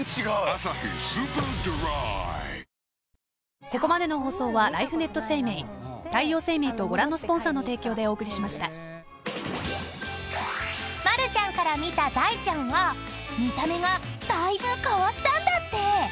「アサヒスーパードライ」［丸ちゃんから見た大ちゃんは見た目がだいぶ変わったんだって］